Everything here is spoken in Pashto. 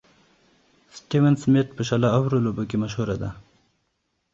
ستيون سميټ په شل اورو لوبو کښي مشهوره ده.